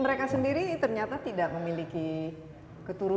mereka sendiri ternyata tidak memiliki keturunan